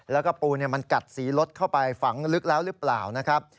แล้วก็ปูมันกัดสีรถเข้าไปฝังลึกแล้วหรือเปล่านะครับ